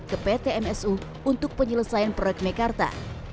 ke pt msu untuk penyelesaian proyek mekarta